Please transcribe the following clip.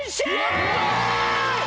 やった！